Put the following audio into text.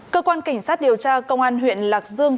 cơ quan cảnh sát điều tra công an huyện lạc dương